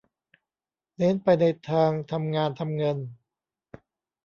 เน้นไปในทางทำงานทำเงิน